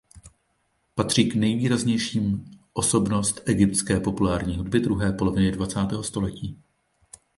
Patří k nejvýraznějším osobnost egyptské populární hudby druhé poloviny dvacátého století.